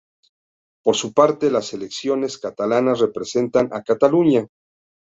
Por su parte las selecciones catalanas representan a Cataluña.